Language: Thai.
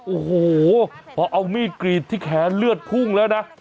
โอ้โหพอเอามีดกรีดที่แขนเลือดพุ่งแล้วนะ